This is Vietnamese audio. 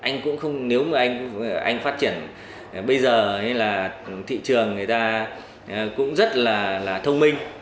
nếu mà anh phát triển bây giờ thì thị trường người ta cũng rất là thông minh